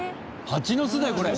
ハチの巣だよこれ。